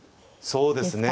そうですね。